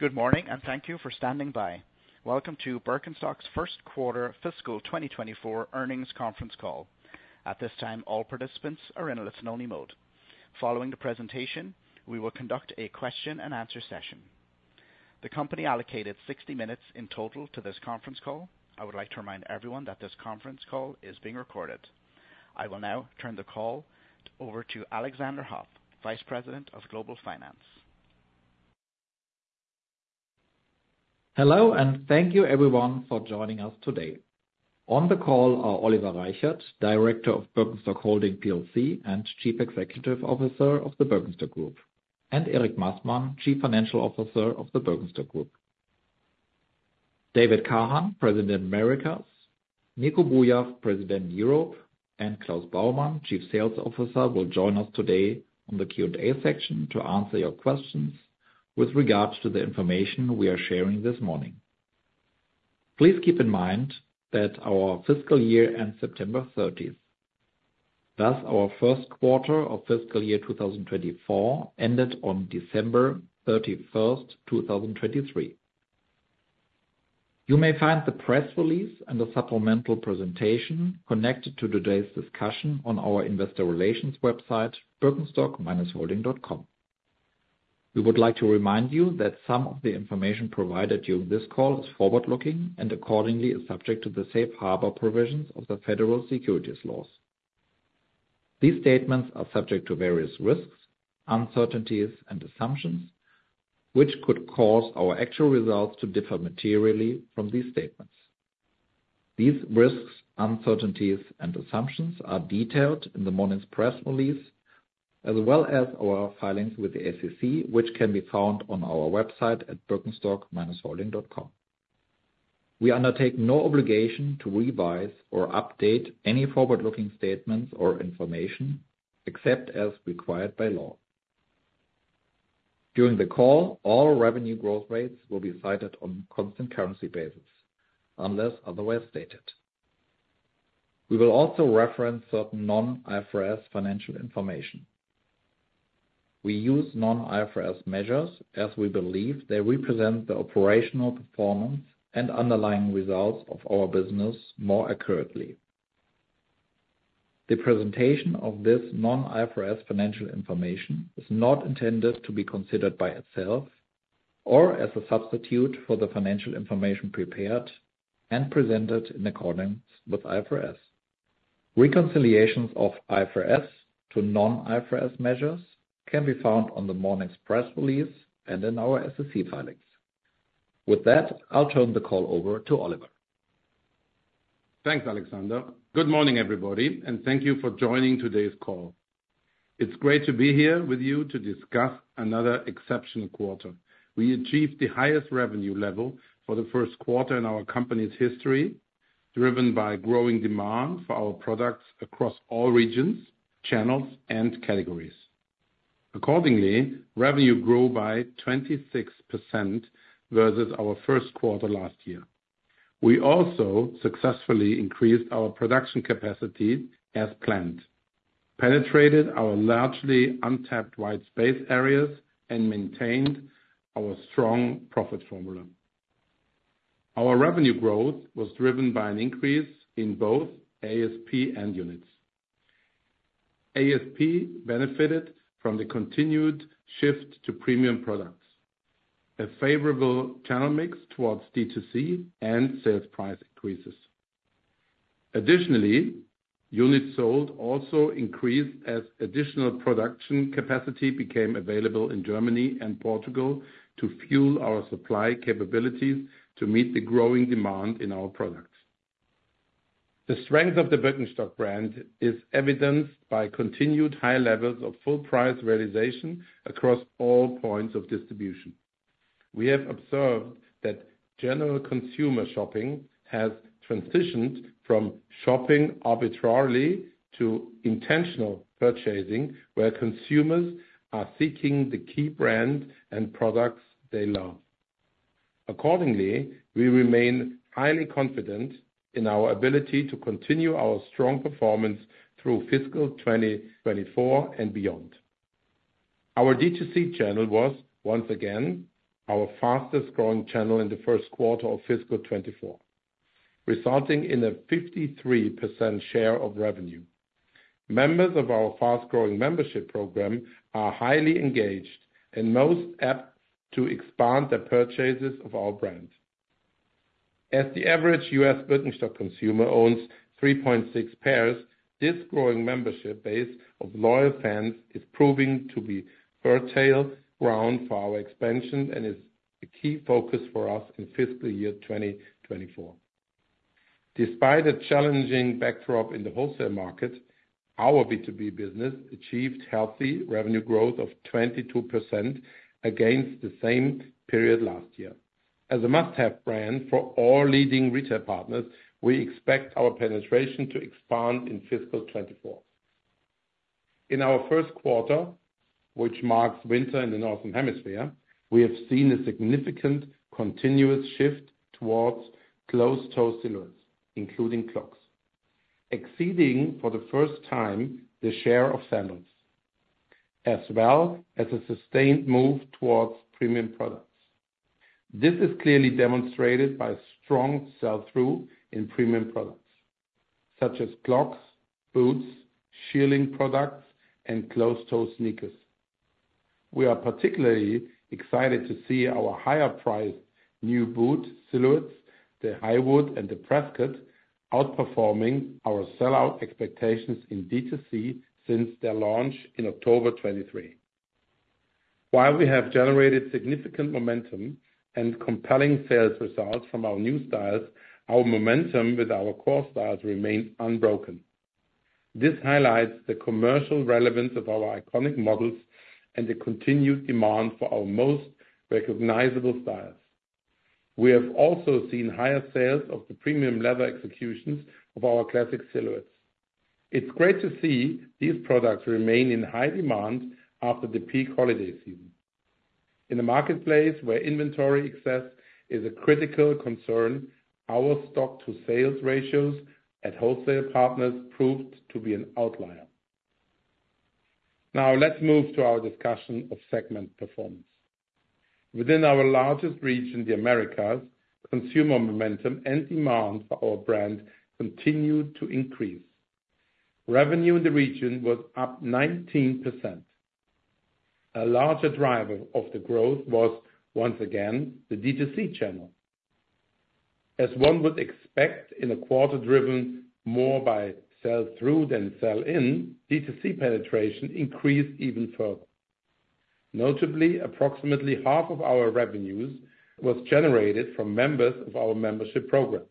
Good morning and thank you for standing by. Welcome to Birkenstock's first quarter fiscal 2024 earnings conference call. At this time, all participants are in listen-only mode. Following the presentation, we will conduct a question-and-answer session. The company allocated 60 minutes in total to this conference call. I would like to remind everyone that this conference call is being recorded. I will now turn the call over to Alexander Hoff, Vice President of Global Finance. Hello and thank you, everyone, for joining us today. On the call are Oliver Reichert, Director of Birkenstock Holding plc and Chief Executive Officer of the Birkenstock Group, and Erik Massmann, Chief Financial Officer of the Birkenstock Group. David Kahan, President, Americas, Nico Bouyakhf, President, Europe, and Klaus Baumann, Chief Sales Officer, will join us today on the Q&A section to answer your questions with regards to the information we are sharing this morning. Please keep in mind that our fiscal year ends September 30th. Thus, our first quarter of fiscal year 2024 ended on December 31st, 2023. You may find the press release and the supplemental presentation connected to today's discussion on our investor relations website, birkenstock-holding.com. We would like to remind you that some of the information provided during this call is forward-looking and accordingly is subject to the safe harbor provisions of the federal securities laws. These statements are subject to various risks, uncertainties, and assumptions, which could cause our actual results to differ materially from these statements. These risks, uncertainties, and assumptions are detailed in the morning's press release, as well as our filings with the SEC, which can be found on our website at birkenstock-holding.com. We undertake no obligation to revise or update any forward-looking statements or information except as required by law. During the call, all revenue growth rates will be cited on constant currency basis unless otherwise stated. We will also reference certain non-IFRS financial information. We use non-IFRS measures as we believe they represent the operational performance and underlying results of our business more accurately. The presentation of this non-IFRS financial information is not intended to be considered by itself or as a substitute for the financial information prepared and presented in accordance with IFRS. Reconciliations of IFRS to non-IFRS measures can be found on the morning's press release and in our SEC filings. With that, I'll turn the call over to Oliver. Thanks, Alexander. Good morning, everybody, and thank you for joining today's call. It's great to be here with you to discuss another exceptional quarter. We achieved the highest revenue level for the first quarter in our company's history, driven by growing demand for our products across all regions, channels, and categories. Accordingly, revenue grew by 26% versus our first quarter last year. We also successfully increased our production capacity as planned, penetrated our largely untapped white space areas, and maintained our strong profit formula. Our revenue growth was driven by an increase in both ASP and units. ASP benefited from the continued shift to premium products, a favorable channel mix towards D2C, and sales price increases. Additionally, units sold also increased as additional production capacity became available in Germany and Portugal to fuel our supply capabilities to meet the growing demand in our products. The strength of the Birkenstock brand is evidenced by continued high levels of full price realization across all points of distribution. We have observed that general consumer shopping has transitioned from shopping arbitrarily to intentional purchasing where consumers are seeking the key brand and products they love. Accordingly, we remain highly confident in our ability to continue our strong performance through fiscal 2024 and beyond. Our D2C channel was, once again, our fastest growing channel in the first quarter of fiscal 2024, resulting in a 53% share of revenue. Members of our fast-growing membership program are highly engaged and most apt to expand their purchases of our brand. As the average U.S. Birkenstock consumer owns 3.6 pairs, this growing membership base of loyal fans is proving to be fertile ground for our expansion and is a key focus for us in fiscal year 2024. Despite a challenging backdrop in the wholesale market, our B2B business achieved healthy revenue growth of 22% against the same period last year. As a must-have brand for all leading retail partners, we expect our penetration to expand in fiscal 2024. In our first quarter, which marks winter in the northern hemisphere, we have seen a significant continuous shift towards closed-toe silhouettes, including clogs, exceeding for the first time the share of sandals, as well as a sustained move towards premium products. This is clearly demonstrated by strong sell-through in premium products such as clogs, boots, shearling products, and closed-toe sneakers. We are particularly excited to see our higher-priced new boot silhouettes, the Highwood and the Prescott, outperforming our sellout expectations in D2C since their launch in October 2023. While we have generated significant momentum and compelling sales results from our new styles, our momentum with our core styles remains unbroken. This highlights the commercial relevance of our iconic models and the continued demand for our most recognizable styles. We have also seen higher sales of the premium leather executions of our classic silhouettes. It's great to see these products remain in high demand after the peak holiday season. In a marketplace where inventory excess is a critical concern, our stock-to-sales ratios at wholesale partners proved to be an outlier. Now, let's move to our discussion of segment performance. Within our largest region, the Americas, consumer momentum and demand for our brand continued to increase. Revenue in the region was up 19%. A larger driver of the growth was, once again, the D2C channel. As one would expect in a quarter driven more by sell-through than sell-in, D2C penetration increased even further. Notably, approximately half of our revenues was generated from members of our membership program,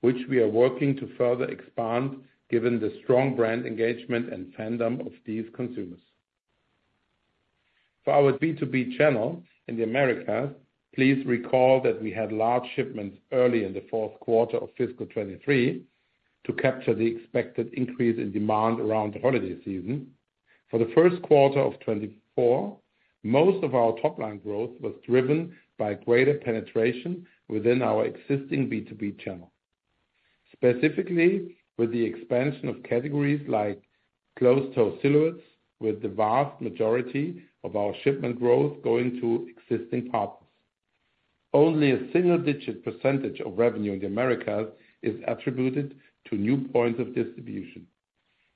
which we are working to further expand given the strong brand engagement and fandom of these consumers. For our B2B channel in the Americas, please recall that we had large shipments early in the fourth quarter of fiscal 2023 to capture the expected increase in demand around the holiday season. For the first quarter of 2024, most of our top-line growth was driven by greater penetration within our existing B2B channel, specifically with the expansion of categories like closed-toe silhouettes, with the vast majority of our shipment growth going to existing partners. Only a single-digit % of revenue in the Americas is attributed to new points of distribution,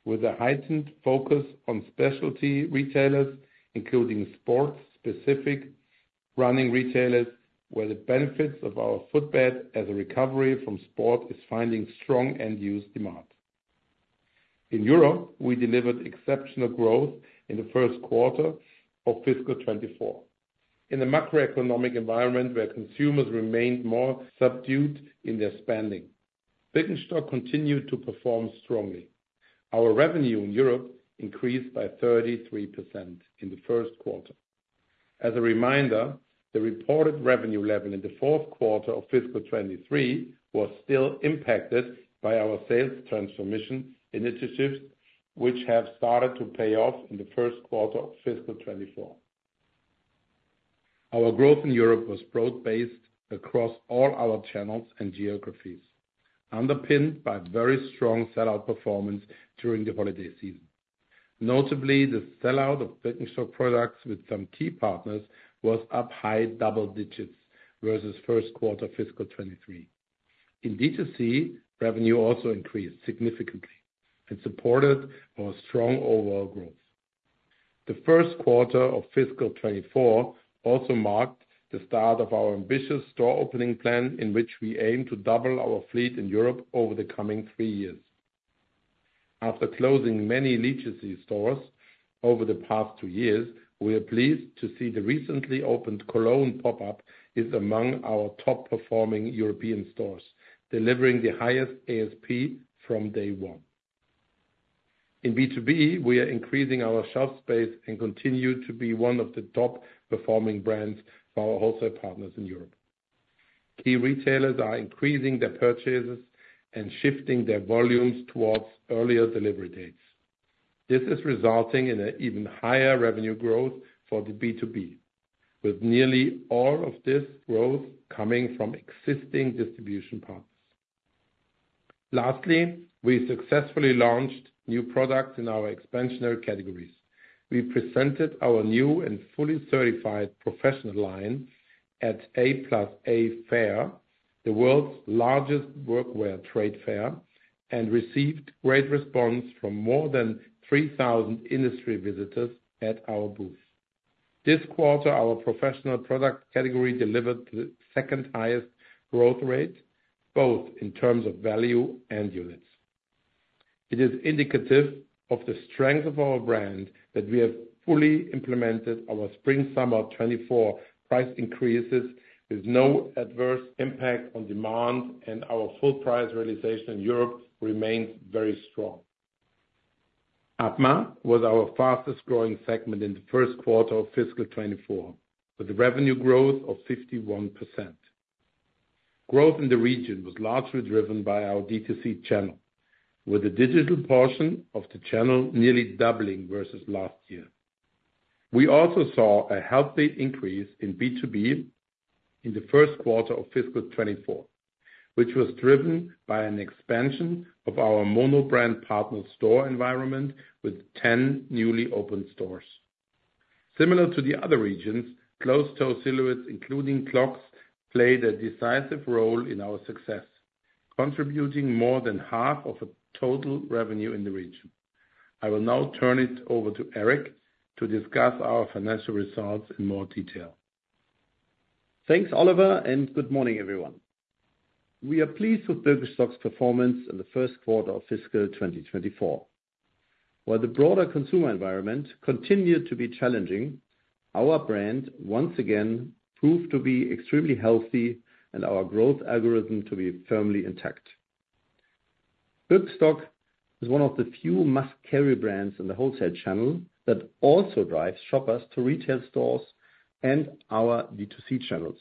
with a heightened focus on specialty retailers, including sports-specific running retailers, where the benefits of our footbed as a recovery from sport is finding strong end-use demand. In Europe, we delivered exceptional growth in the first quarter of fiscal 2024. In a macroeconomic environment where consumers remained more subdued in their spending, Birkenstock continued to perform strongly. Our revenue in Europe increased by 33% in the first quarter. As a reminder, the reported revenue level in the fourth quarter of fiscal 2023 was still impacted by our sales transformation initiatives, which have started to pay off in the first quarter of fiscal 2024. Our growth in Europe was broad-based across all our channels and geographies, underpinned by very strong sellout performance during the holiday season. Notably, the sellout of Birkenstock products with some key partners was up high double digits versus first quarter fiscal 2023. In D2C, revenue also increased significantly and supported our strong overall growth. The first quarter of fiscal 2024 also marked the start of our ambitious store opening plan, in which we aim to double our fleet in Europe over the coming three years. After closing many legacy stores over the past two years, we are pleased to see the recently opened Cologne pop-up is among our top-performing European stores, delivering the highest ASP from day one. In B2B, we are increasing our shelf space and continue to be one of the top-performing brands for our wholesale partners in Europe. Key retailers are increasing their purchases and shifting their volumes towards earlier delivery dates. This is resulting in even higher revenue growth for the B2B, with nearly all of this growth coming from existing distribution partners. Lastly, we successfully launched new products in our expansionary categories. We presented our new and fully certified professional line at A+A Fair, the world's largest workwear trade fair, and received great response from more than 3,000 industry visitors at our booth. This quarter, our professional product category delivered the second-highest growth rate, both in terms of value and units. It is indicative of the strength of our brand that we have fully implemented our spring-summer 2024 price increases with no adverse impact on demand, and our full price realization in Europe remains very strong. APMA was our fastest growing segment in the first quarter of fiscal 2024, with revenue growth of 51%. Growth in the region was largely driven by our D2C channel, with the digital portion of the channel nearly doubling versus last year. We also saw a healthy increase in B2B in the first quarter of fiscal 2024, which was driven by an expansion of our monobrand partner store environment with 10 newly opened stores. Similar to the other regions, closed-toe silhouettes, including clogs, played a decisive role in our success, contributing more than half of total revenue in the region. I will now turn it over to Erik to discuss our financial results in more detail. Thanks, Oliver, and good morning, everyone. We are pleased with Birkenstock's performance in the first quarter of fiscal 2024. While the broader consumer environment continued to be challenging, our brand once again proved to be extremely healthy and our growth algorithm to be firmly intact. Birkenstock is one of the few must-carry brands in the wholesale channel that also drives shoppers to retail stores and our D2C channels,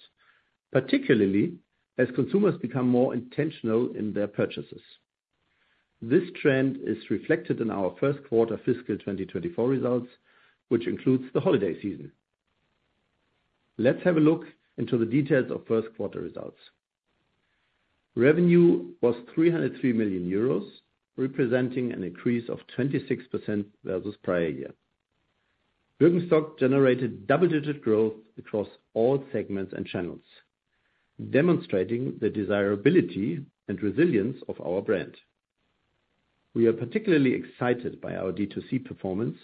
particularly as consumers become more intentional in their purchases. This trend is reflected in our first quarter fiscal 2024 results, which includes the holiday season. Let's have a look into the details of first quarter results. Revenue was 303 million euros, representing an increase of 26% versus prior year. Birkenstock generated double-digit growth across all segments and channels, demonstrating the desirability and resilience of our brand. We are particularly excited by our D2C performance,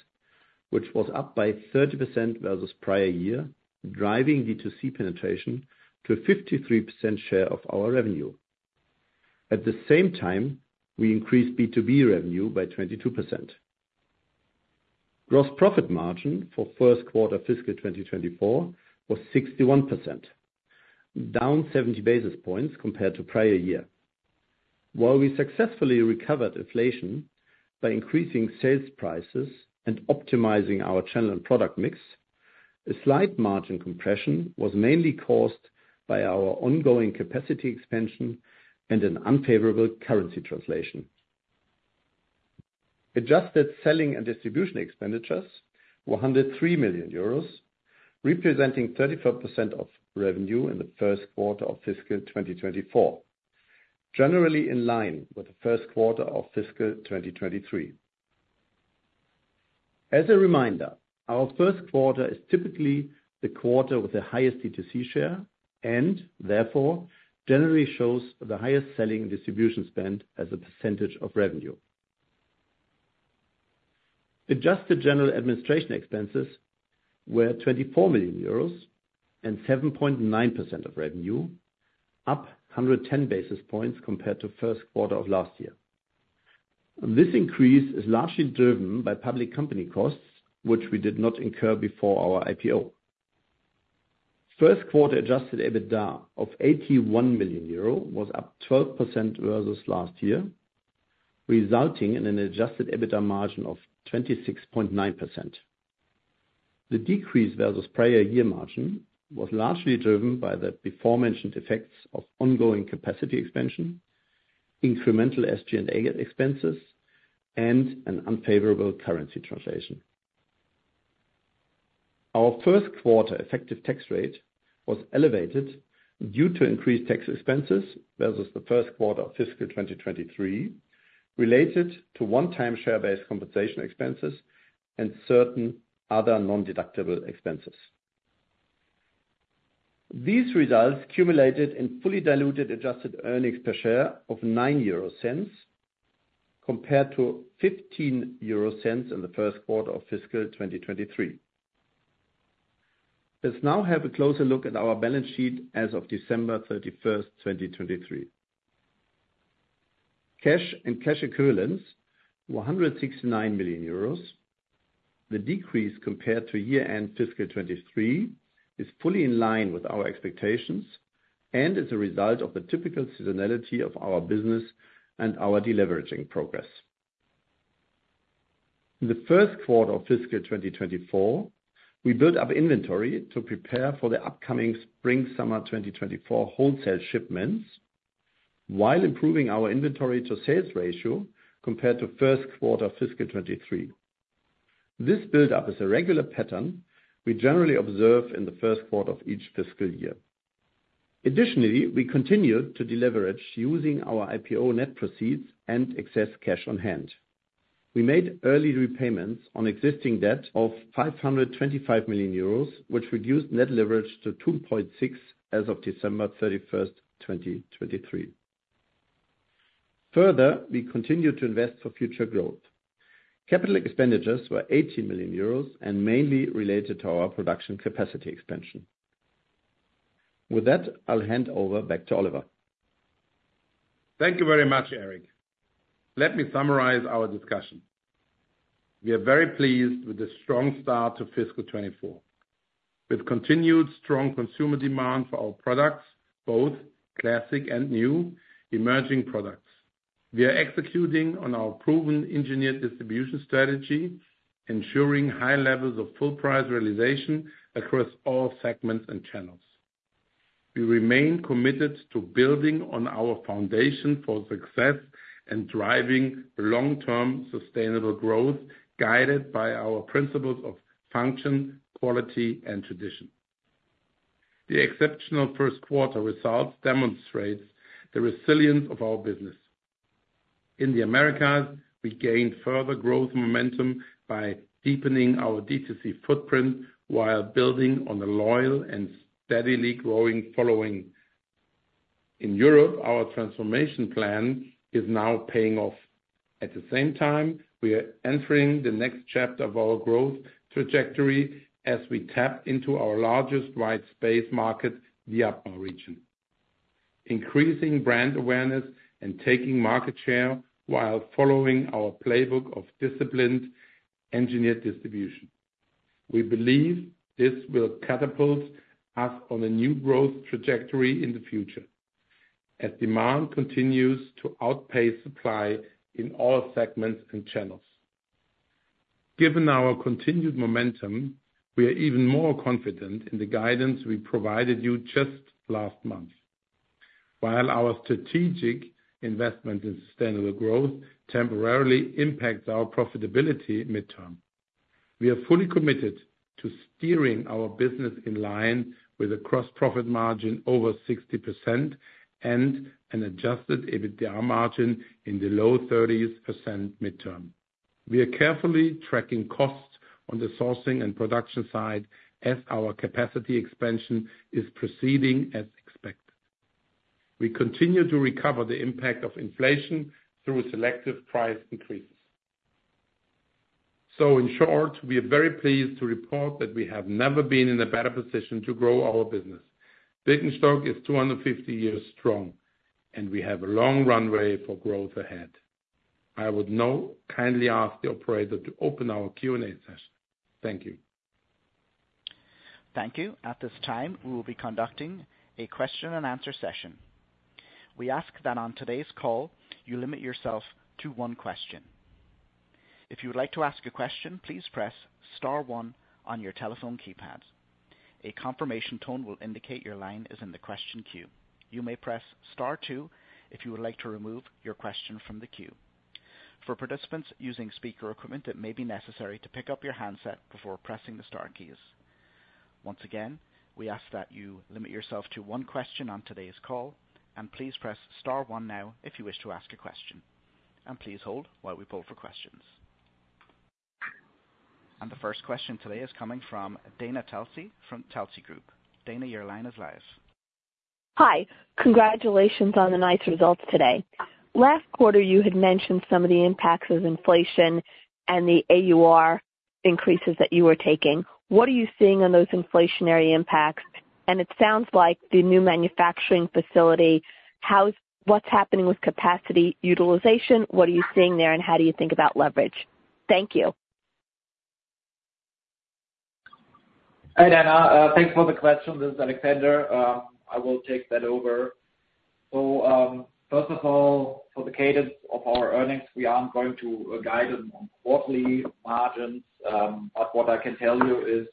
which was up by 30% versus prior year, driving D2C penetration to a 53% share of our revenue. At the same time, we increased B2B revenue by 22%. Gross profit margin for first quarter fiscal 2024 was 61%, down 70 basis points compared to prior year. While we successfully recovered inflation by increasing sales prices and optimizing our channel and product mix, a slight margin compression was mainly caused by our ongoing capacity expansion and an unfavorable currency translation. Adjusted selling and distribution expenditures were 103 million euros, representing 34% of revenue in the first quarter of fiscal 2024, generally in line with the first quarter of fiscal 2023. As a reminder, our first quarter is typically the quarter with the highest D2C share and, therefore, generally shows the highest selling and distribution spend as a percentage of revenue. Adjusted general administration expenses were 24 million euros and 7.9% of revenue, up 110 basis points compared to first quarter of last year. This increase is largely driven by public company costs, which we did not incur before our IPO. First quarter adjusted EBITDA of 81 million euro was up 12% versus last year, resulting in an adjusted EBITDA margin of 26.9%. The decrease versus prior year margin was largely driven by the before-mentioned effects of ongoing capacity expansion, incremental SG&A expenses, and an unfavorable currency translation. Our first quarter effective tax rate was elevated due to increased tax expenses versus the first quarter of fiscal 2023, related to one-time share-based compensation expenses and certain other non-deductible expenses. These results cumulated in fully diluted adjusted earnings per share of 0.09 compared to 0.15 in the first quarter of fiscal 2023. Let's now have a closer look at our balance sheet as of December 31st, 2023. Cash and cash equivalents were 169 million euros. The decrease compared to year-end fiscal 2023 is fully in line with our expectations and is a result of the typical seasonality of our business and our deleveraging progress. In the first quarter of fiscal 2024, we built up inventory to prepare for the upcoming spring-summer 2024 wholesale shipments while improving our inventory-to-sales ratio compared to first quarter fiscal 2023. This buildup is a regular pattern we generally observe in the first quarter of each fiscal year. Additionally, we continued to deleverage using our IPO net proceeds and excess cash on hand. We made early repayments on existing debt of 525 million euros, which reduced net leverage to 2.6% as of December 31st, 2023. Further, we continued to invest for future growth. Capital expenditures were 18 million euros and mainly related to our production capacity expansion. With that, I'll hand over back to Oliver. Thank you very much, Erik. Let me summarize our discussion. We are very pleased with the strong start to fiscal 2024, with continued strong consumer demand for our products, both classic and new, emerging products. We are executing on our proven engineered distribution strategy, ensuring high levels of full price realization across all segments and channels. We remain committed to building on our foundation for success and driving long-term sustainable growth guided by our principles of function, quality, and tradition. The exceptional first quarter results demonstrate the resilience of our business. In the Americas, we gained further growth momentum by deepening our D2C footprint while building on a loyal and steadily growing following. In Europe, our transformation plan is now paying off. At the same time, we are entering the next chapter of our growth trajectory as we tap into our largest white space market, the APMA region, increasing brand awareness and taking market share while following our playbook of disciplined engineered distribution. We believe this will catapult us on a new growth trajectory in the future as demand continues to outpace supply in all segments and channels. Given our continued momentum, we are even more confident in the guidance we provided you just last month, while our strategic investment in sustainable growth temporarily impacts our profitability midterm. We are fully committed to steering our business in line with a gross-profit margin over 60% and an adjusted EBITDA margin in the low 30% midterm. We are carefully tracking costs on the sourcing and production side as our capacity expansion is proceeding as expected. We continue to recover the impact of inflation through selective price increases. In short, we are very pleased to report that we have never been in a better position to grow our business. Birkenstock is 250 years strong, and we have a long runway for growth ahead. I would now kindly ask the operator to open our Q&A session. Thank you. Thank you. At this time, we will be conducting a question-and-answer session. We ask that on today's call, you limit yourself to one question. If you would like to ask a question, please press star 1 on your telephone keypad. A confirmation tone will indicate your line is in the question queue. You may press star 2 if you would like to remove your question from the queue. For participants using speaker equipment, it may be necessary to pick up your handset before pressing the star keys. Once again, we ask that you limit yourself to one question on today's call, and please press star 1 now if you wish to ask a question. Please hold while we pull for questions. The first question today is coming from Dana Telsey from Telsey Group. Dana, your line is live. Hi. Congratulations on the nice results today. Last quarter, you had mentioned some of the impacts of inflation and the AUR increases that you were taking. What are you seeing on those inflationary impacts? And it sounds like the new manufacturing facility. What's happening with capacity utilization? What are you seeing there, and how do you think about leverage? Thank you. Hi, Dana. Thanks for the question. This is Alexander. I will take that over. So, first of all, for the cadence of our earnings, we aren't going to guide them on quarterly margins. But what I can tell you is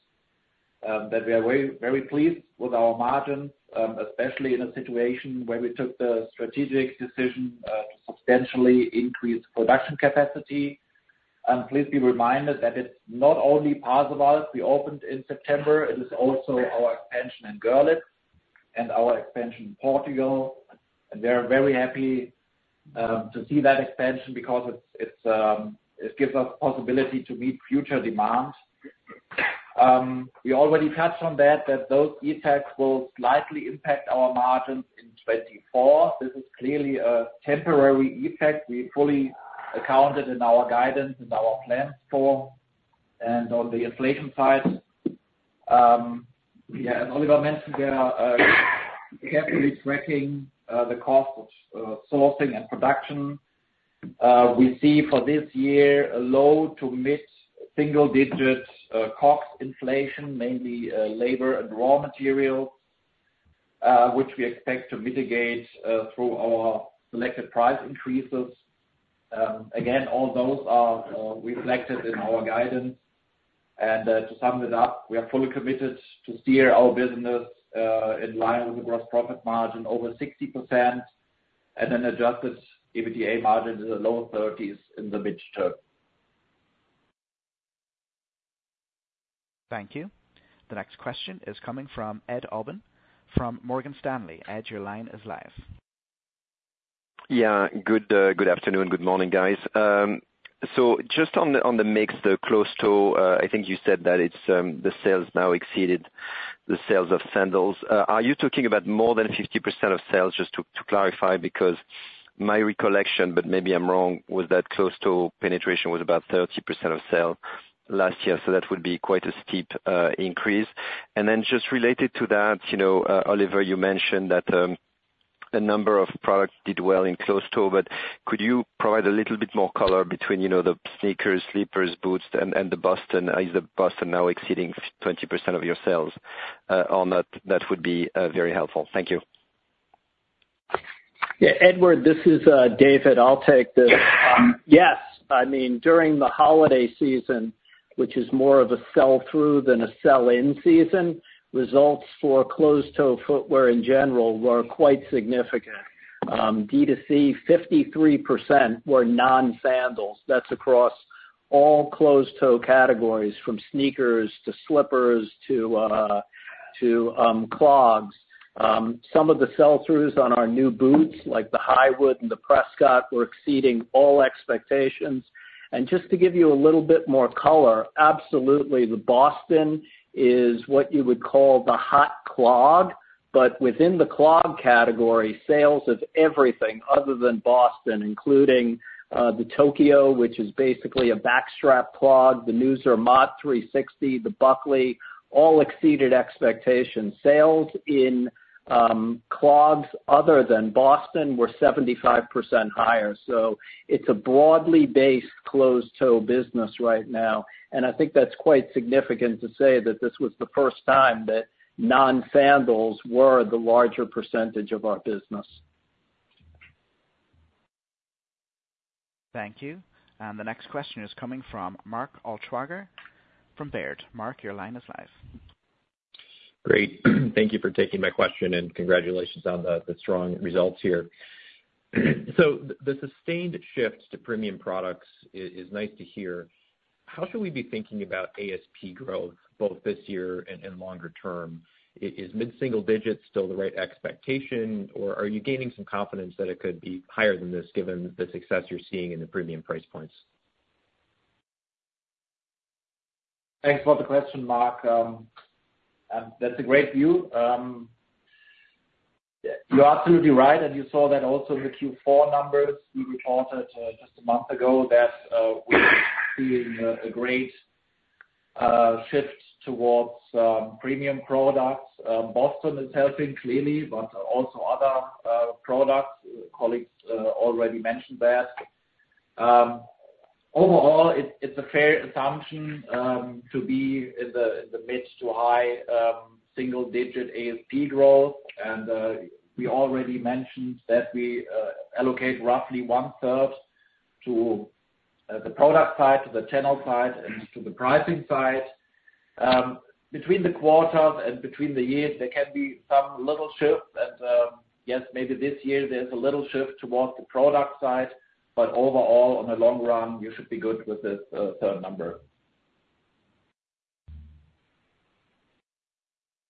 that we are very pleased with our margins, especially in a situation where we took the strategic decision to substantially increase production capacity. And please be reminded that it's not only Pasoval. We opened in September. It is also our expansion in Görlitz and our expansion in Portugal. And we are very happy to see that expansion because it gives us the possibility to meet future demand. We already touched on that, that those effects will slightly impact our margins in 2024. This is clearly a temporary effect. We fully accounted in our guidance and our plans for. On the inflation side, yeah, as Oliver mentioned, we are carefully tracking the cost of sourcing and production. We see for this year a low- to mid-single-digit COGS inflation, mainly labor and raw materials, which we expect to mitigate through our selected price increases. Again, all those are reflected in our guidance. To sum it up, we are fully committed to steer our business in line with a gross profit margin over 60% and an Adjusted EBITDA margin in the low 30s in the midterm. Thank you. The next question is coming from Ed Aubin from Morgan Stanley. Ed, your line is live. Yeah. Good afternoon. Good morning, guys. So just on the mix, the closed-toe—I think you said that the sales now exceeded the sales of sandals. Are you talking about more than 50% of sales? Just to clarify, because my recollection—but maybe I'm wrong—was that closed-toe penetration was about 30% of sales last year. So that would be quite a steep increase. And then just related to that, Oliver, you mentioned that a number of products did well in closed-toe. But could you provide a little bit more color between the sneakers, slippers, boots, and the Boston? Is the Boston now exceeding 20% of your sales, or not? That would be very helpful. Thank you. Yeah. Edward, this is David. I'll take this. Yes. I mean, during the holiday season, which is more of a sell-through than a sell-in season, results for closed-toe footwear in general were quite significant. D2C, 53% were non-sandals. That's across all closed-toe categories, from sneakers to slippers to clogs. Some of the sell-throughs on our new boots, like the Highwood and the Prescott, were exceeding all expectations. And just to give you a little bit more color, absolutely, the Boston is what you would call the hot clog. But within the clog category, sales of everything other than Boston, including the Tokyo, which is basically a backstrap clog, the Nagoya 360, the Buckley, all exceeded expectations. Sales in clogs other than Boston were 75% higher. So it's a broadly based closed-toe business right now. I think that's quite significant to say that this was the first time that non-sandals were the larger percentage of our business. Thank you. The next question is coming from Mark Altschwager from Baird. Mark, your line is live. Great. Thank you for taking my question, and congratulations on the strong results here. So the sustained shift to premium products is nice to hear. How should we be thinking about ASP growth, both this year and longer term? Is mid-single digit still the right expectation, or are you gaining some confidence that it could be higher than this given the success you're seeing in the premium price points? Thanks for the question, Mark. That's a great view. You're absolutely right, and you saw that also in the Q4 numbers we reported just a month ago that we're seeing a great shift towards premium products. Boston is helping, clearly, but also other products. Colleagues already mentioned that. Overall, it's a fair assumption to be in the mid- to high single-digit ASP growth. We already mentioned that we allocate roughly one-third to the product side, to the channel side, and to the pricing side. Between the quarters and between the years, there can be some little shift. Yes, maybe this year there's a little shift towards the product side. Overall, on the long run, you should be good with this third number.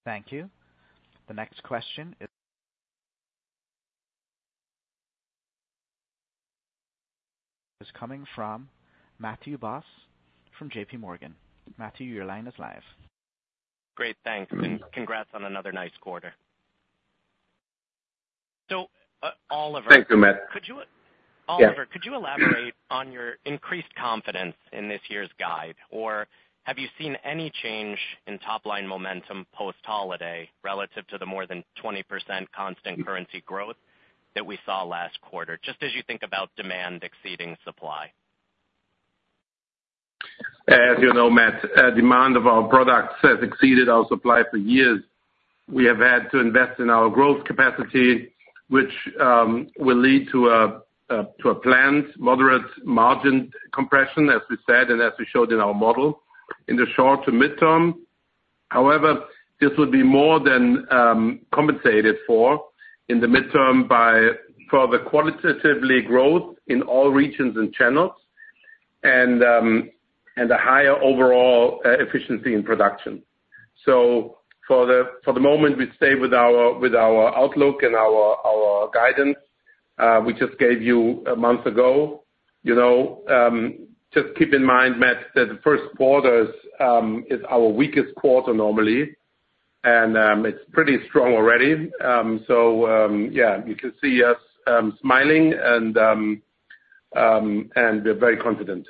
Thank you. The next question is coming from Matthew Boss from J.P. Morgan. Matthew, your line is live. Great. Thanks. Congrats on another nice quarter. So, Oliver. Thank you, Matt. Oliver, could you elaborate on your increased confidence in this year's guide, or have you seen any change in top-line momentum post-holiday relative to the more than 20% constant currency growth that we saw last quarter, just as you think about demand exceeding supply? As you know, Matt, demand of our products has exceeded our supply for years. We have had to invest in our growth capacity, which will lead to a planned moderate margin compression, as we said and as we showed in our model, in the short to midterm. However, this would be more than compensated for in the midterm by further qualitative growth in all regions and channels and a higher overall efficiency in production. So for the moment, we stay with our outlook and our guidance we just gave you a month ago. Just keep in mind, Matt, that the first quarter is our weakest quarter normally, and it's pretty strong already. So yeah, you can see us smiling, and we're very confident.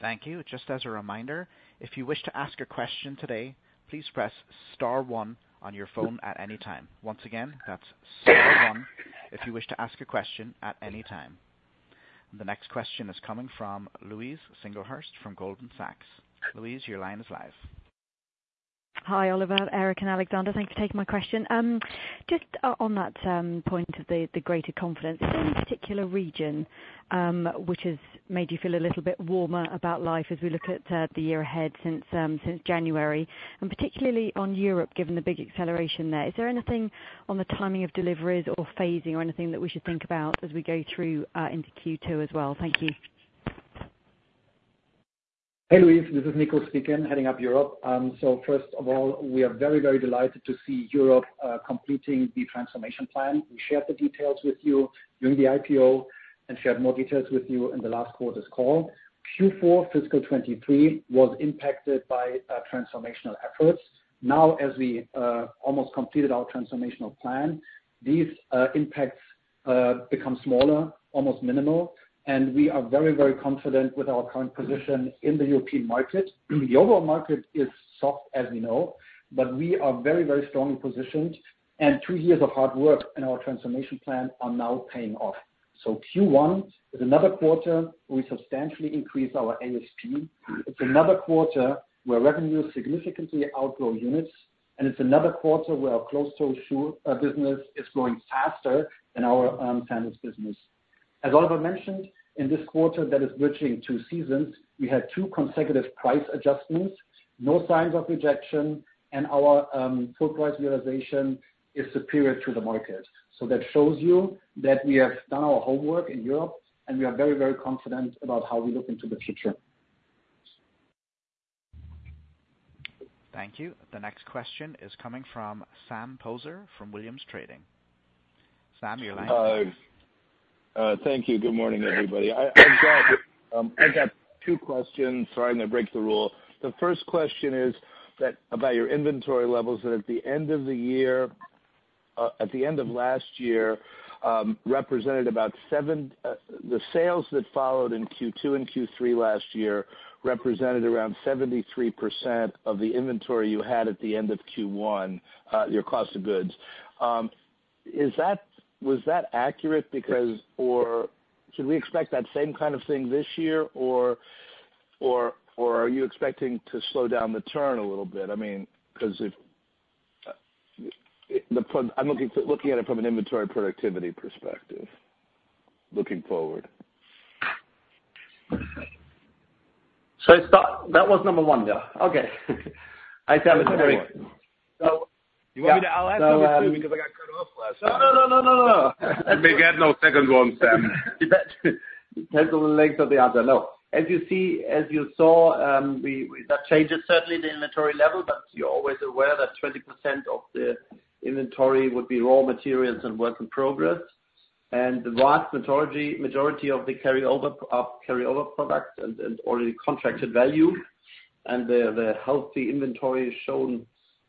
Thank you. Just as a reminder, if you wish to ask a question today, please press star 1 on your phone at any time. Once again, that's star 1 if you wish to ask a question at any time. The next question is coming from Louise Singlehurst from Goldman Sachs. Louise, your line is live. Hi, Oliver. Erik and Alexander, thanks for taking my question. Just on that point of the greater confidence, is there any particular region which has made you feel a little bit warmer about life as we look at the year ahead since January, and particularly on Europe given the big acceleration there? Is there anything on the timing of deliveries or phasing or anything that we should think about as we go through into Q2 as well? Thank you. Hey, Louise. This is Nico speaking, heading up Europe. So first of all, we are very, very delighted to see Europe completing the transformation plan. We shared the details with you during the IPO, and shared more details with you in the last quarter's call. Q4 fiscal 2023 was impacted by transformational efforts. Now, as we almost completed our transformational plan, these impacts become smaller, almost minimal. And we are very, very confident with our current position in the European market. The overall market is soft, as we know, but we are very, very strongly positioned. And two years of hard work in our transformation plan are now paying off. So Q1 is another quarter where we substantially increased our ASP. It's another quarter where revenues significantly outgrow units. And it's another quarter where our closed-toe business is growing faster than our sandals business. As Oliver mentioned, in this quarter that is bridging two seasons, we had two consecutive price adjustments, no signs of rejection, and our full price realization is superior to the market. So that shows you that we have done our homework in Europe, and we are very, very confident about how we look into the future. Thank you. The next question is coming from Sam Poser from Williams Trading. Sam, your line. Hi. Thank you. Good morning, everybody. I've got two questions. Sorry, I'm going to break the rule. The first question is about your inventory levels that at the end of the year at the end of last year, the sales that followed in Q2 and Q3 last year represented around 73% of the inventory you had at the end of Q1, your cost of goods. Was that accurate? Or should we expect that same kind of thing this year, or are you expecting to slow down the turn a little bit? I mean, because I'm looking at it from an inventory productivity perspective looking forward. That was number one, yeah. Okay. I think that was very good. You want me to ask something too because I got cut off last time. No, no, no, no, no, no, no. We got no second one, Sam. Depends on the length of the answer. No. As you saw, that changes, certainly, the inventory level, but you're always aware that 20% of the inventory would be raw materials and work in progress. And the vast majority of the carryover products and already contracted value and the healthy inventory shown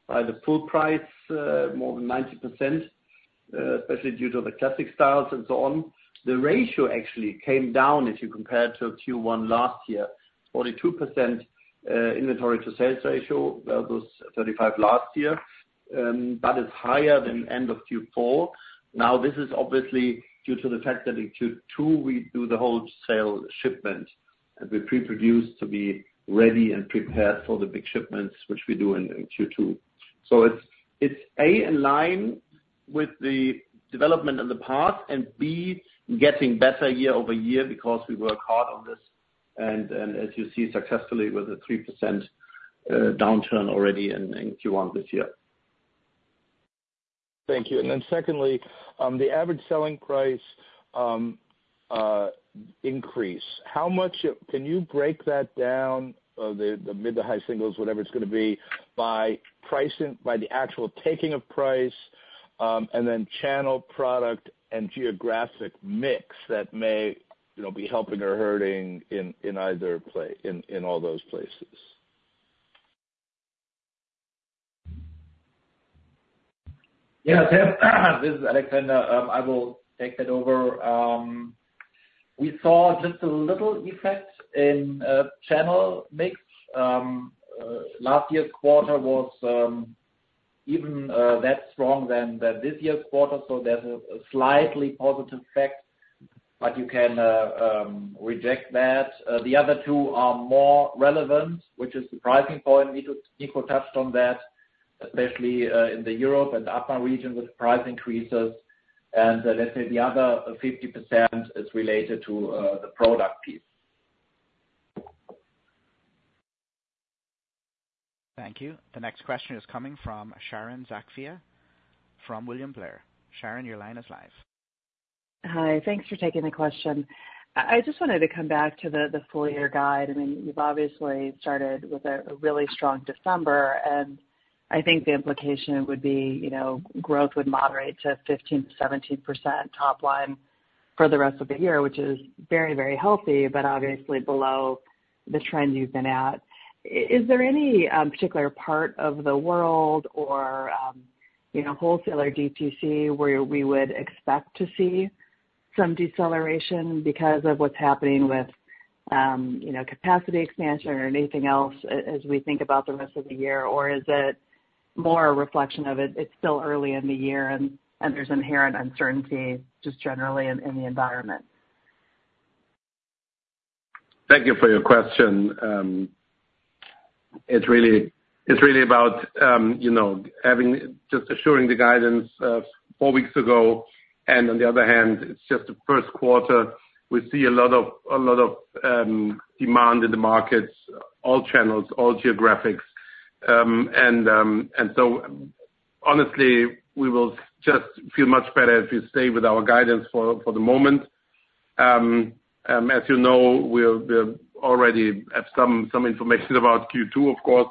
by the full price, more than 90%, especially due to the classic styles and so on, the ratio actually came down if you compare it to Q1 last year, 42% inventory-to-sales ratio versus 35% last year, but it's higher than end of Q4. Now, this is obviously due to the fact that in Q2, we do the wholesale shipment, and we pre-produce to be ready and prepared for the big shipments, which we do in Q2. So it's A, in line with the development in the past, and B, getting better year-over-year because we work hard on this, and as you see, successfully with a 3% downturn already in Q1 this year. Thank you. And then secondly, the average selling price increase, how much can you break that down, the mid, the high singles, whatever it's going to be, by the actual taking of price and then channel product and geographic mix that may be helping or hurting in all those places? Yeah. This is Alexander. I will take that over. We saw just a little effect in channel mix. Last year's quarter was even that strong than this year's quarter. So there's a slightly positive effect, but you can reject that. The other two are more relevant, which is the pricing point. Nico touched on that, especially in the Europe and upper region with price increases. And let's say the other 50% is related to the product piece. Thank you. The next question is coming from Sharon Zackfia from William Blair. Sharon, your line is live. Hi. Thanks for taking the question. I just wanted to come back to the full-year guide. I mean, you've obviously started with a really strong December, and I think the implication would be growth would moderate to 15%-17% top-line for the rest of the year, which is very, very healthy, but obviously below the trend you've been at. Is there any particular part of the world or wholesaler DTC where we would expect to see some deceleration because of what's happening with capacity expansion or anything else as we think about the rest of the year? Or is it more a reflection of it's still early in the year, and there's inherent uncertainty just generally in the environment? Thank you for your question. It's really about just assuring the guidance four weeks ago. On the other hand, it's just the first quarter. We see a lot of demand in the markets, all channels, all geographies. So honestly, we will just feel much better if we stay with our guidance for the moment. As you know, we already have some information about Q2, of course.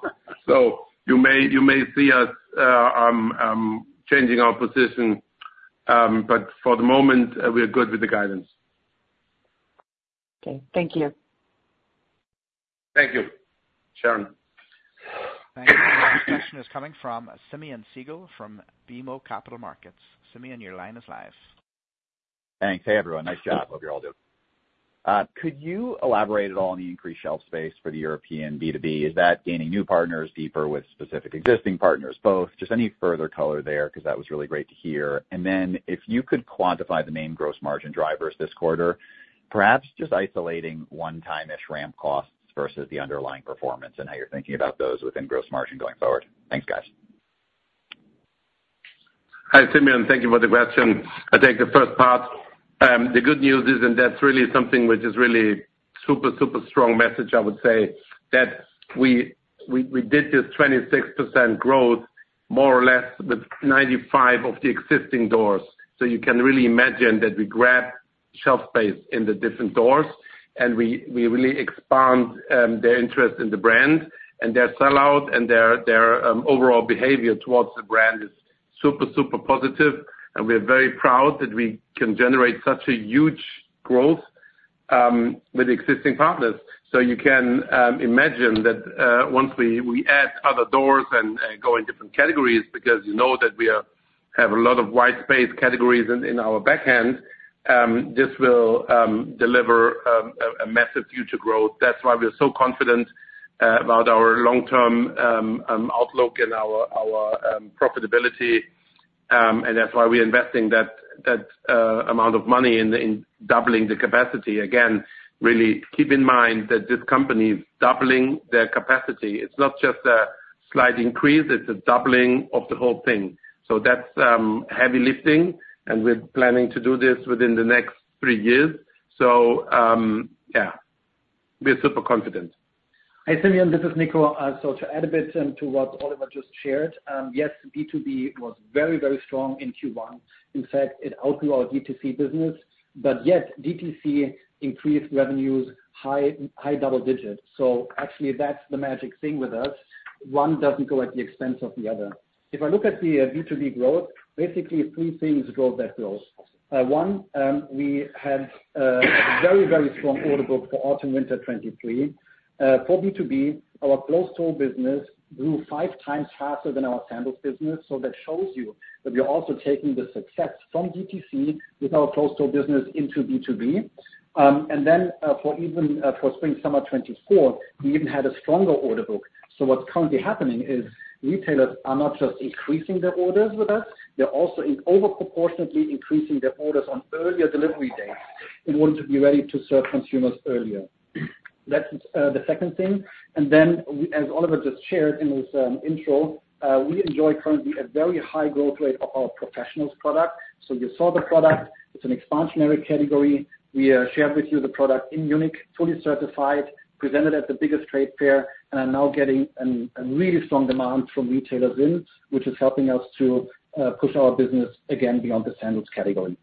You may see us changing our position, but for the moment, we're good with the guidance. Okay. Thank you. Thank you, Sharon. All right. The next question is coming from Simeon Siegel from BMO Capital Markets. Simeon, your line is live. Thanks. Hey, everyone. Nice job. Hope you're all doing. Could you elaborate at all on the increased shelf space for the European B2B? Is that gaining new partners, deeper with specific existing partners, both? Just any further color there because that was really great to hear. And then if you could quantify the main gross margin drivers this quarter, perhaps just isolating one-time-ish ramp costs versus the underlying performance and how you're thinking about those within gross margin going forward. Thanks, guys. Hi, Simeon. Thank you for the question. I'll take the first part. The good news is, and that's really something which is really super, super strong message, I would say, that we did this 26% growth more or less with 95% of the existing doors. So you can really imagine that we grab shelf space in the different doors, and we really expand their interest in the brand. And their sellout and their overall behavior towards the brand is super, super positive. And we're very proud that we can generate such a huge growth with existing partners. So you can imagine that once we add other doors and go in different categories because you know that we have a lot of white space categories in our backhand, this will deliver a massive future growth. That's why we're so confident about our long-term outlook and our profitability. That's why we're investing that amount of money in doubling the capacity. Again, really keep in mind that this company is doubling their capacity. It's not just a slight increase. It's a doubling of the whole thing. So yeah, we're super confident. Hi, Simeon. This is Nico. So to add a bit to what Oliver just shared, yes, B2B was very, very strong in Q1. In fact, it outgrew our DTC business. But yet, DTC increased revenues high double-digit. So actually, that's the magic thing with us. One doesn't go at the expense of the other. If I look at the B2B growth, basically, three things drove that growth. One, we had a very, very strong order book for autumn-winter 2023. For B2B, our closed-toe business grew five times faster than our sandals business. So that shows you that we're also taking the success from DTC with our closed-toe business into B2B. And then for spring-summer 2024, we even had a stronger order book. So what's currently happening is retailers are not just increasing their orders with us. They're also disproportionately increasing their orders on earlier delivery dates in order to be ready to serve consumers earlier. That's the second thing. And then, as Oliver just shared in his intro, we enjoy currently a very high growth rate of our professionals product. So you saw the product. It's an expansionary category. We shared with you the product in Munich, fully certified, presented at the biggest trade fair, and are now getting a really strong demand from retailers, which is helping us to push our business again beyond the sandals category.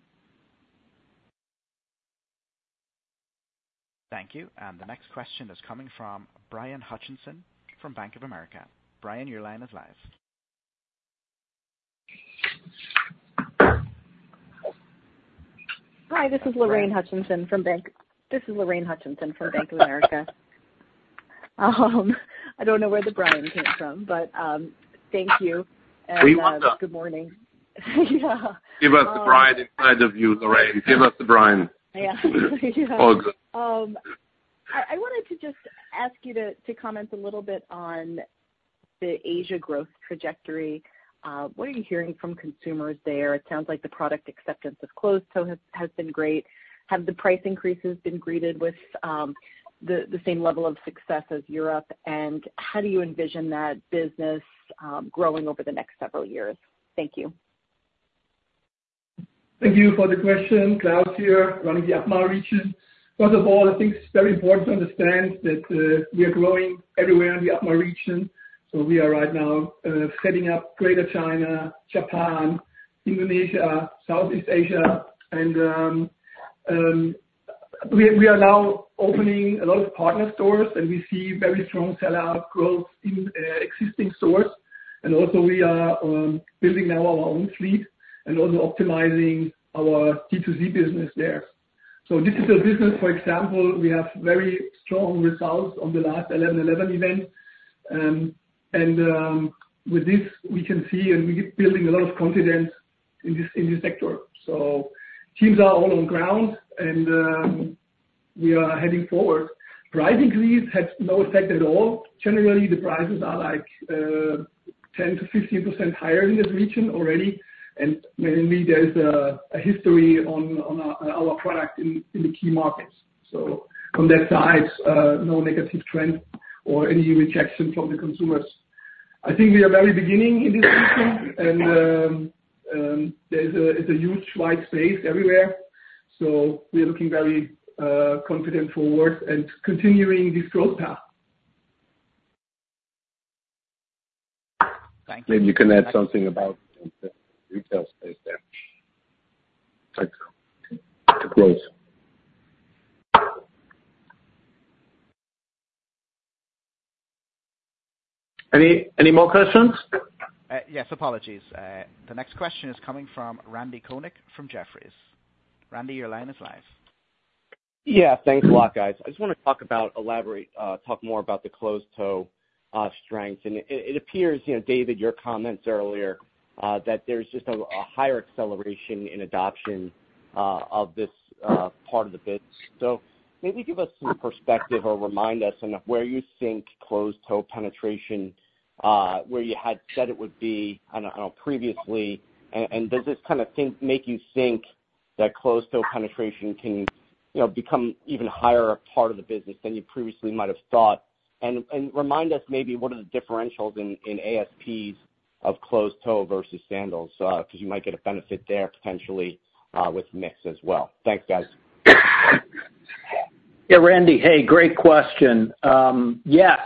Thank you. The next question is coming from Lorraine Hutchinson from Bank of America. Lorraine, your line is live. Hi. This is Lorraine Hutchinson from Bank of America. I don't know where the Brian came from, but thank you. Good morning. Give us the Brian inside of you, Lorraine. Give us the Brian. All good. I wanted to just ask you to comment a little bit on the Asia growth trajectory. What are you hearing from consumers there? It sounds like the product acceptance of closed-toe has been great. Have the price increases been greeted with the same level of success as Europe? And how do you envision that business growing over the next several years? Thank you. Thank you for the question. Klaus here, running the APMA region. First of all, I think it's very important to understand that we are growing everywhere in the APMA region. We are right now setting up Greater China, Japan, Indonesia, Southeast Asia. We are now opening a lot of partner stores, and we see very strong sellout growth in existing stores. Also, we are building now our own fleet and also optimizing our D2C business there. Digital business, for example, we have very strong results on the last 11/11 event. With this, we can see and we keep building a lot of confidence in this sector. Teams are all on ground, and we are heading forward. Price increase had no effect at all. Generally, the prices are 10%-15% higher in this region already. Mainly, there's a history on our product in the key markets. From that side, no negative trend or any rejection from the consumers. I think we are very beginning in this region, and it's a huge white space everywhere. We are looking very confident forward and continuing this growth path. Thank you. Maybe you can add something about the retail space there, the growth. Any more questions? Yes. Apologies. The next question is coming from Randy Konik from Jefferies. Randy, your line is live. Yeah. Thanks a lot, guys. I just want to elaborate, talk more about the closed-toe strength. And it appears, David, your comments earlier, that there's just a higher acceleration in adoption of this part of the business. So maybe give us some perspective or remind us on where you think closed-toe penetration, where you had said it would be, I don't know, previously. And does this kind of make you think that closed-toe penetration can become even higher a part of the business than you previously might have thought? And remind us maybe what are the differentials in ASPs of closed-toe versus sandals because you might get a benefit there potentially with mix as well. Thanks, guys. Yeah, Randy. Hey, great question. Yes.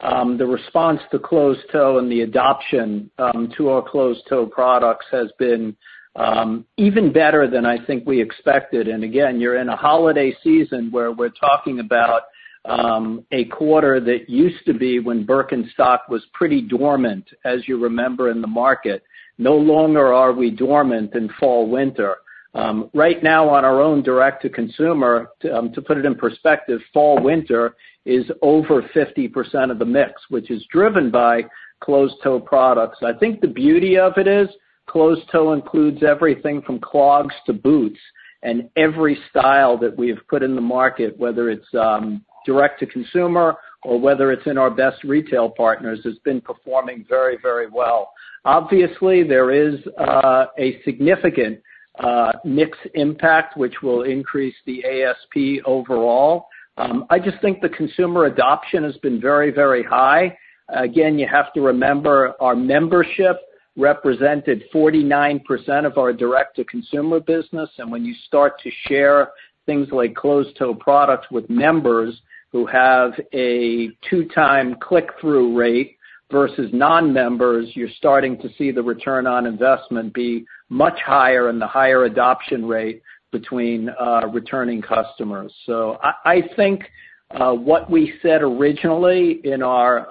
The response to closed-toe and the adoption to our closed-toe products has been even better than I think we expected. And again, you're in a holiday season where we're talking about a quarter that used to be when Birkenstock was pretty dormant, as you remember, in the market. No longer are we dormant in fall/winter. Right now, on our own direct-to-consumer, to put it in perspective, fall/winter is over 50% of the mix, which is driven by closed-toe products. I think the beauty of it is closed-toe includes everything from clogs to boots. And every style that we have put in the market, whether it's direct-to-consumer or whether it's in our best retail partners, has been performing very, very well. Obviously, there is a significant mix impact, which will increase the ASP overall. I just think the consumer adoption has been very, very high. Again, you have to remember our membership represented 49% of our direct-to-consumer business. And when you start to share things like closed-toe products with members who have a two-time click-through rate versus non-members, you're starting to see the return on investment be much higher and the higher adoption rate between returning customers. So I think what we said originally in our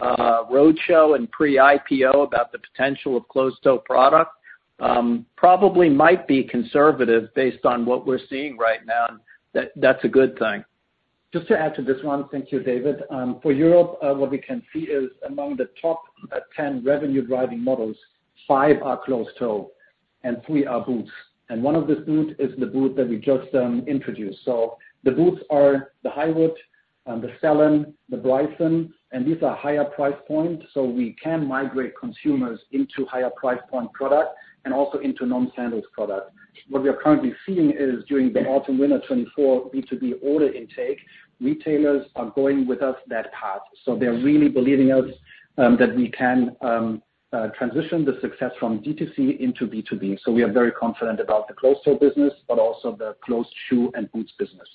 roadshow and pre-IPO about the potential of closed-toe product probably might be conservative based on what we're seeing right now. And that's a good thing. Just to add to this one, thank you, David. For Europe, what we can see is among the top 10 revenue-driving models, five are closed-toe and three are boots. And one of these boots is the boot that we just introduced. So the boots are the Highwood, the Stellan, the Bryson. And these are higher price points. So we can migrate consumers into higher price point products and also into non-sandals products. What we are currently seeing is during the autumn-winter 2024 B2B order intake, retailers are going with us that path. So they're really believing us that we can transition the success from DTC into B2B. So we are very confident about the closed-toe business but also the closed shoe and boots business.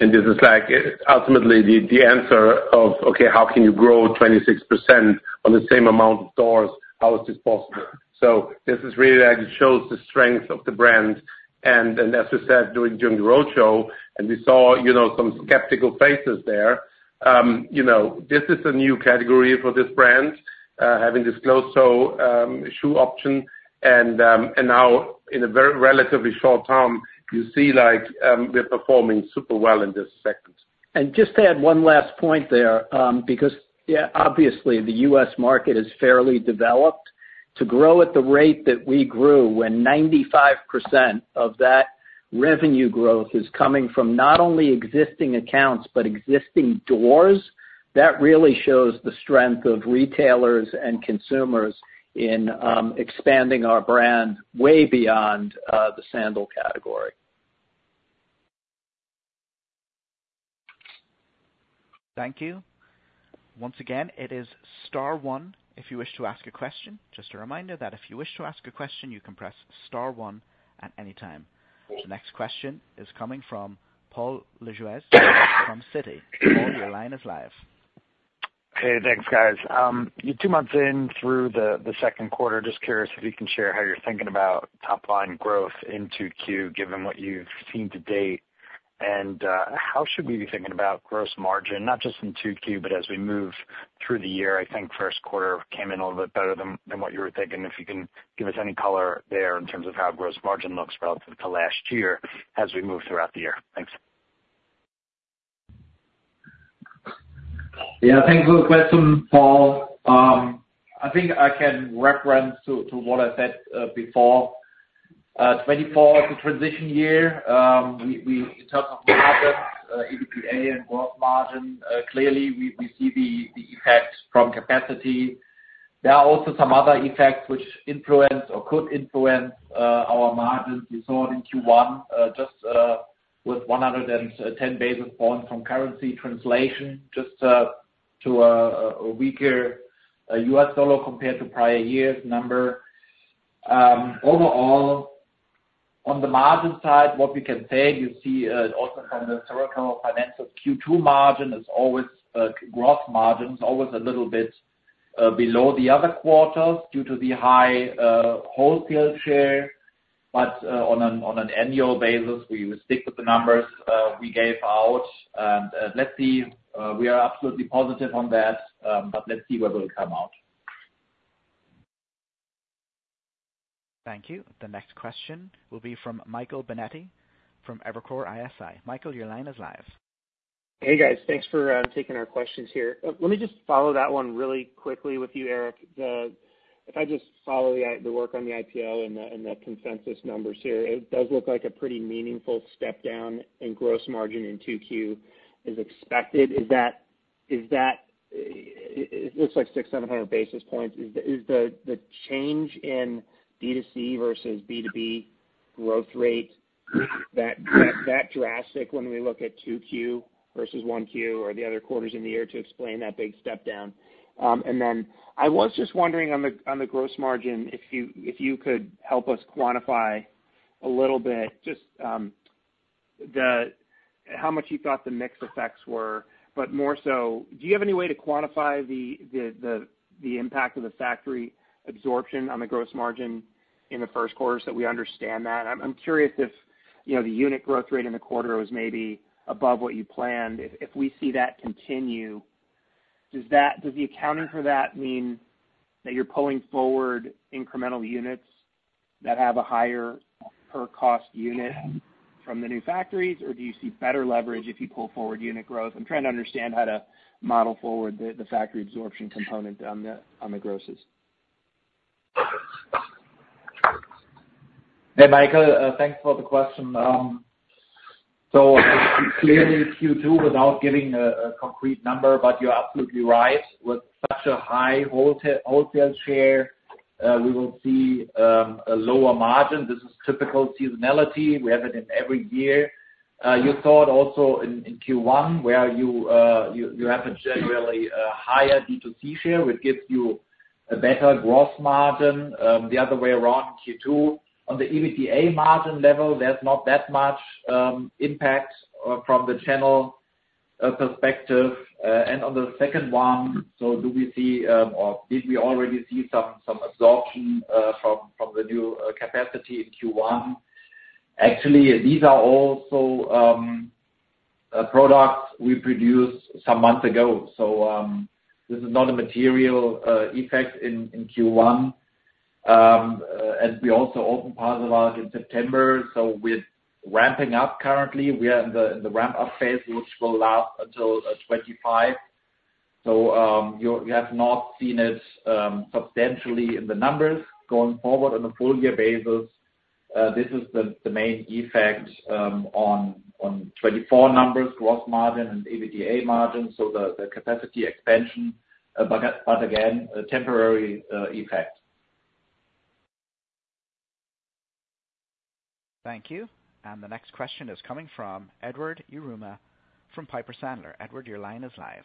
This is ultimately the answer of, "Okay, how can you grow 26% on the same amount of doors? How is this possible?" This really shows the strength of the brand. As we said during the roadshow, and we saw some skeptical faces there, this is a new category for this brand, having this closed-toe shoe option. Now, in a relatively short time, you see we're performing super well in this segment. Just to add one last point there because, yeah, obviously, the U.S. market is fairly developed. To grow at the rate that we grew when 95% of that revenue growth is coming from not only existing accounts but existing doors, that really shows the strength of retailers and consumers in expanding our brand way beyond the sandal category. Thank you. Once again, it is star one if you wish to ask a question. Just a reminder that if you wish to ask a question, you can press star one at any time. The next question is coming from Paul Lejuez from Citi. Paul, your line is live. Hey, thanks, guys. You're two months in through the second quarter. Just curious if you can share how you're thinking about top-line growth in 2Q given what you've seen to date. How should we be thinking about gross margin, not just in 2Q but as we move through the year? I think first quarter came in a little bit better than what you were thinking. If you can give us any color there in terms of how gross margin looks relative to last year as we move throughout the year. Thanks. Yeah. Thanks for the question, Paul. I think I can reference to what I said before. 2024 is a transition year. In terms of margins, EBITDA and gross margin, clearly, we see the effect from capacity. There are also some other effects which influence or could influence our margins. You saw it in Q1 just with 110 basis points from currency translation just to a weaker US dollar compared to prior year's number. Overall, on the margin side, what we can say, you see also from the historical financials, Q2 margin is always gross margin is always a little bit below the other quarters due to the high wholesale share. But on an annual basis, we stick with the numbers we gave out. And let's see. We are absolutely positive on that. But let's see what will come out. Thank you. The next question will be from Michael Binetti from Evercore ISI. Michael, your line is live. Hey, guys. Thanks for taking our questions here. Let me just follow that one really quickly with you, Erik. If I just follow the work on the IPO and the consensus numbers here, it does look like a pretty meaningful step down in gross margin in 2Q is expected. It looks like 600-700 basis points. Is the change in DTC versus B2B growth rate that drastic when we look at 2Q versus 1Q or the other quarters in the year to explain that big step down? And then I was just wondering on the gross margin if you could help us quantify a little bit just how much you thought the mix effects were. But more so, do you have any way to quantify the impact of the factory absorption on the gross margin in the first quarters that we understand that? I'm curious if the unit growth rate in the quarter was maybe above what you planned. If we see that continue, does the accounting for that mean that you're pulling forward incremental units that have a higher per-cost unit from the new factories? Or do you see better leverage if you pull forward unit growth? I'm trying to understand how to model forward the factory absorption component on the grosses. Hey, Michael. Thanks for the question. So clearly, Q2 without giving a concrete number, but you're absolutely right. With such a high wholesale share, we will see a lower margin. This is typical seasonality. We have it in every year. You saw it also in Q1 where you have a generally higher D2C share, which gives you a better gross margin. The other way around, Q2, on the EBITDA margin level, there's not that much impact from the channel perspective. And on the second one, so do we see or did we already see some absorption from the new capacity in Q1? Actually, these are also products we produced some months ago. So this is not a material effect in Q1. And we also opened parts of ours in September. So we're ramping up currently. We are in the ramp-up phase, which will last until 2025. So you have not seen it substantially in the numbers. Going forward on a full-year basis, this is the main effect on 2024 numbers, gross margin and EBITDA margin, so the capacity expansion. But again, a temporary effect. Thank you. The next question is coming from Edward Yruma from Piper Sandler. Edward, your line is live.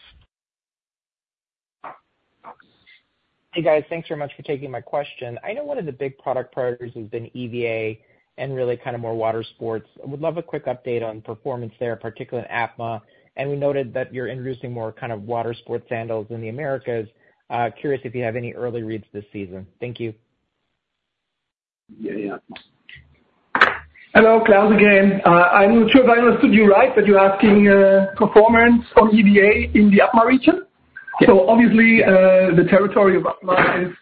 Hey, guys. Thanks very much for taking my question. I know one of the big product priorities has been EVA and really kind of more water sports. I would love a quick update on performance there, particularly in APMA. And we noted that you're introducing more kind of water sports sandals in the Americas. Curious if you have any early reads this season. Thank you. Yeah, yeah. Hello, Klaus again. I'm not sure if I understood you right, but you're asking performance on EVA in the APMA region? So obviously, the territory of APMA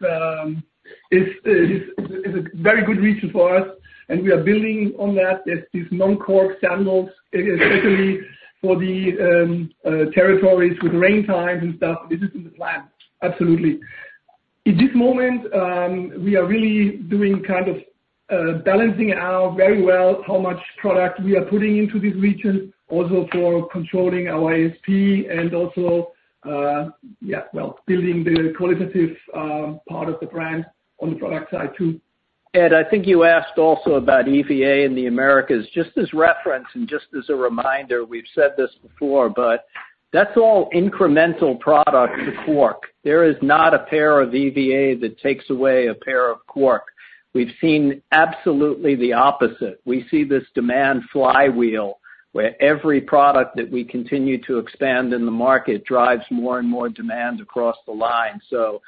is a very good region for us. And we are building on that. There's these non-cork sandals, especially for the territories with rain times and stuff. This is in the plan. Absolutely. In this moment, we are really doing kind of balancing out very well how much product we are putting into this region, also for controlling our ASP and also, yeah, well, building the qualitative part of the brand on the product side too. I think you asked also about EVA in the Americas. Just as reference and just as a reminder, we've said this before, but that's all incremental product to cork. There is not a pair of EVA that takes away a pair of cork. We've seen absolutely the opposite. We see this demand flywheel where every product that we continue to expand in the market drives more and more demand across the line. So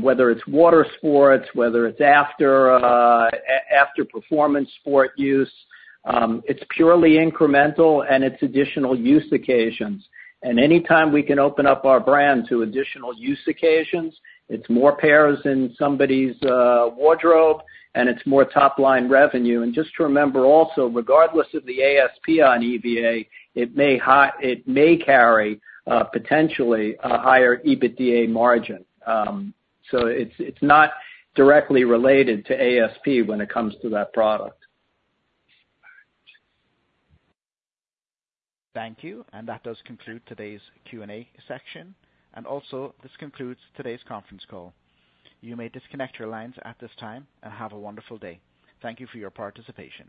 whether it's water sports, whether it's after-performance sport use, it's purely incremental, and it's additional use occasions. Anytime we can open up our brand to additional use occasions, it's more pairs in somebody's wardrobe, and it's more top-line revenue. Just to remember also, regardless of the ASP on EVA, it may carry potentially a higher EBITDA margin. So it's not directly related to ASP when it comes to that product. Thank you. That does conclude today's Q&A section. Also, this concludes today's conference call. You may disconnect your lines at this time and have a wonderful day. Thank you for your participation.